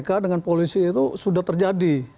kpk dengan polisi itu sudah terjadi